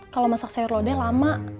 kalau masak sayur lodeh lama